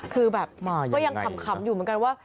คือแบบก็ยังขำอยู่เหมือนกันว่า